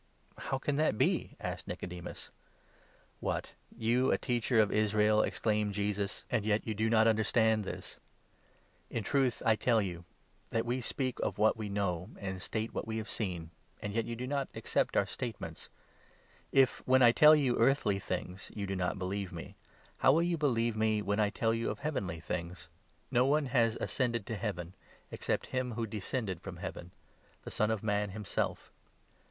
" How can that be ?" asked Nicodemus.. 9 " What ! You a teacher of Israel," exclaimed Jesus, " and 10 17 ps. 69. 9. 19 Hos. 6. 2. 3 Dan< 2< ^ G* 170 JOHN, 3. yet do not understand this !. In truth I tell you that we speak 1 1 of what we know, and state what we have seen ; and yet you do not accept our statements. If, when I tell you earthly things, 12 you do not believe me, how will you believe me when I tell you of heavenly things? No one has ascended to Heaven, except 13 him who descended from Heaven — the Son of Man himself.